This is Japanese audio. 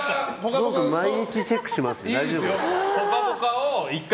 僕、毎日チェックしますが大丈夫ですか？